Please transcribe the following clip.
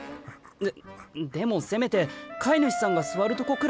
ででもせめて飼い主さんが座るとこくらいは。